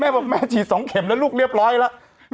บอกแม่ฉีด๒เข็มแล้วลูกเรียบร้อยแล้ว